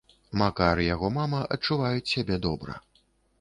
Макар і яго мама адчуваюць сябе добра.